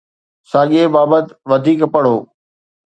ساڳئي بابت وڌيڪ پڙهو